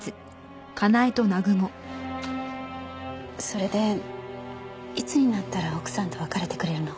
それでいつになったら奥さんと別れてくれるの？